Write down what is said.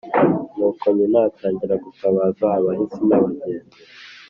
nuko nyina atangira gutabaza abahisi n'abagenzi